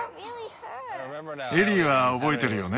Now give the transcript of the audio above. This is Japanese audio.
エリーは覚えてるよね？